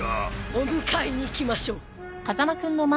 お迎えに行きましょう。